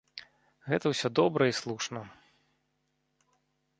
Гэта ўсё добра і слушна.